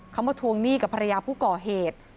เขามาทวงหนี้กับภรรยาผู้ก่อเหตุ